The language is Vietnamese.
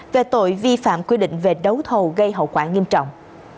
về tội vi phạm quy định về đấu thầu gây hậu quả nghiêm trọng